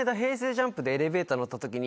ＪＵＭＰでエレベーター乗った時に。